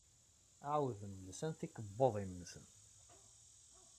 Ɛawden lsan tikebbuḍin-nsen.